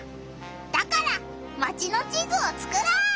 だからマチの地図をつくろう！